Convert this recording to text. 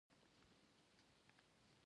رحماني صاحب ته د استادۍ لقب ورکول شوی.